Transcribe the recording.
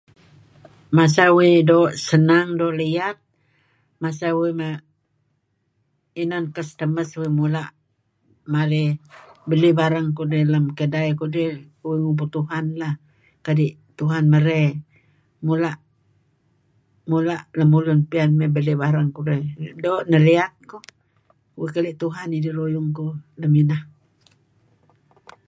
Masa uih doo' senang doo' liyat masa uih inan customers uih mula' marih belih barang kudih lem kedai kudih uih ngubur Tuhan lah kadi' Tuhan merey mula' mula' lemulun piyan mey belih barang kudih doo' neh liyat kuh kadi' Tuhan idih ruyung kuh. Nah